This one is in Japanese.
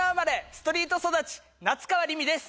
ストリート育ち夏川りみです